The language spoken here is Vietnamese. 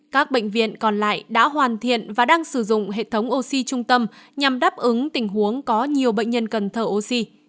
các bệnh viện còn lại đã hoàn thiện và đang sử dụng hệ thống oxy trung tâm nhằm đáp ứng tình huống có nhiều bệnh nhân cần thở oxy